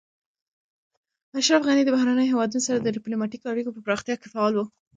اشرف غني د بهرنیو هیوادونو سره د ډیپلوماتیکو اړیکو په پراختیا کې فعال و.